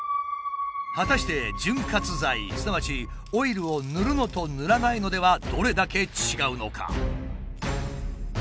果たして潤滑剤すなわちオイルを塗るのと塗らないのではどれだけ違うのか？